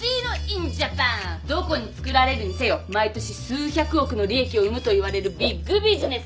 どこに造られるにせよ毎年数百億の利益を生むといわれるビッグビジネス。